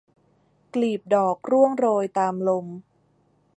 กลีบดอกร่วงโรยตามลม